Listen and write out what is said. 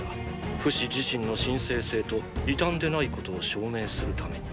フシ自身の神聖性と異端でないことを証明するために。